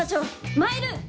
参る！